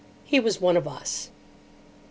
He was one of Us.